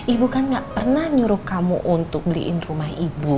ibu kan gak pernah nyuruh kamu untuk beliin rumah ibu